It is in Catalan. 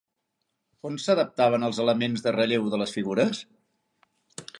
On s'adaptaven els elements de relleu de les figures?